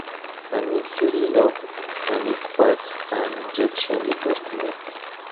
Phoenix: City of Phoenix Parks and Recreation Department.